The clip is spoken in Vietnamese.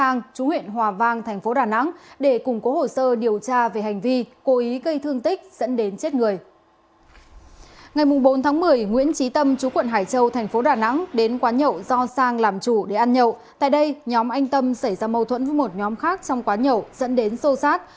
nhóm anh tâm xảy ra mâu thuẫn với một nhóm khác trong quán nhậu dẫn đến sâu sát